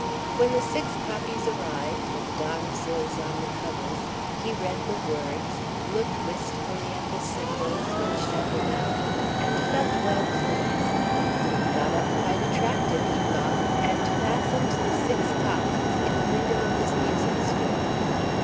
When the six copies arrived with a danseuse on the covers he read the "words," looked wistfully at the symbols which shut him out, and felt well pleased. "Got up quite attractive," he thought, and fastened the six copies in the window of his music store.